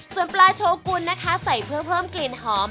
ส่วนปลาโชกุลนะคะใส่เพื่อเพิ่มกลิ่นหอม